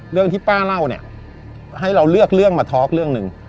เรื่องที่ป้าเล่าเนี่ยให้เราเลือกเรื่องมาทอล์กเรื่องหนึ่ง